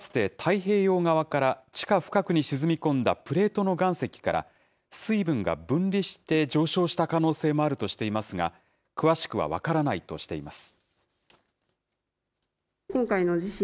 かつて、太平洋側から地下深くに沈み込んだプレートの岩石から水分が分離して上昇した可能性もあるとしていますが、詳しくは分からないとしています。